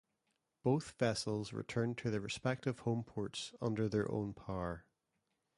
Both vessels returned to their respective home ports under their own power.